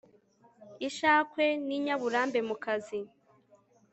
ishakwe n'inyaburambe mukazi